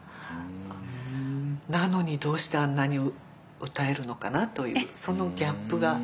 なのにどうしてあんなに歌えるのかなというそのギャップが。